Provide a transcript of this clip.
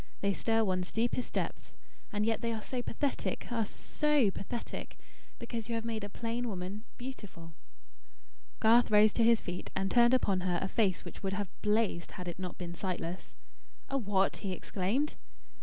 They stir one's deepest depths. And yet they are so pathetic ah, SO pathetic; because you have made a plain woman, beautiful." Garth rose to his feet, and turned upon her a face which would have blazed, had it not been sightless. "A WHAT?" he exclaimed.